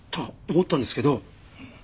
思ったんですけど。